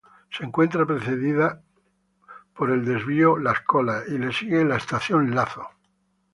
Se encuentra precedida por el Desvío Las Colas y le sigue la Estación Lazo.